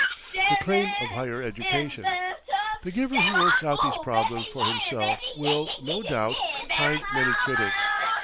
THE CLAIM OF HIGHER EDUCATION The giver who works out these problems for himself will, no doubt, find many critics.